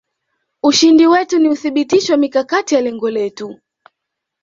ushindi wetu ni uthibitisho wa mikakati ya lengo letu